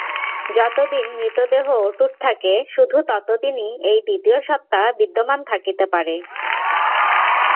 যতদিন মৃতদেহ অটুট থাকে, শুধু ততদিনই এই দ্বিতীয় সত্তা বিদ্যমান থাকিতে পারে।